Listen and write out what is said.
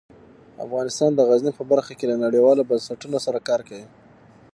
افغانستان د غزني په برخه کې له نړیوالو بنسټونو سره کار کوي.